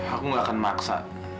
aku gak akan maksa